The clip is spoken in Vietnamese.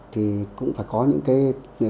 thì cũng phải có những cái